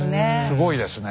すごいですね。